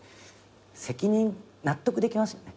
責任納得できますよね。